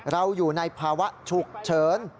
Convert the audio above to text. เราอยู่ในภาวะฉุกเฉิน